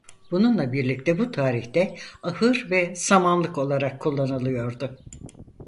Bununla birlikte bu tarihte ahır ve samanlık olarak kullanılıyordu.